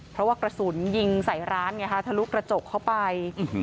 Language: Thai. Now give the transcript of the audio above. เพราะว่ากระสุนยิงใส่ร้านไงฮะทะลุกระจกเข้าไป